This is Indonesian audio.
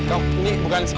aku telfon kamu gak aktif